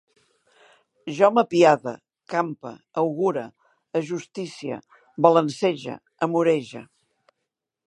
Jo m'apiade, campe, augure, ajusticie, balancege, amorege